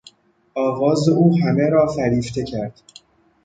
آواز او همه را فریفته کرد.